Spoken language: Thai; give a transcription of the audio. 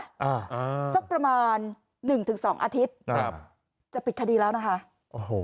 อ่าอ่าสักประมาณหนึ่งถึงสองอาทิตย์ครับจะปิดคดีแล้วนะคะโอ้โห